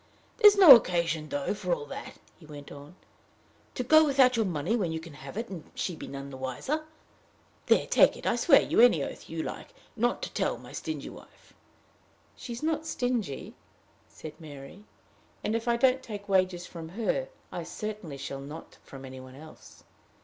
"There's no occasion, though, for all that," he went on, "to go without your money when you can have it and she be nothing the wiser. There take it. I will swear you any oath you like not to tell my stingy wife." "She is not stingy," said Mary; "and, if I don't take wages from her, I certainly shall not from any one else.